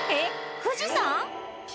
富士山？